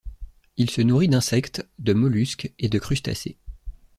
Il se nourrit d'insectes, de mollusques et de crustacés.